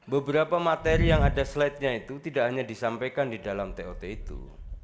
beberapa materi yang ada slide nya itu tidak hanya disampaikan di dalam tot itu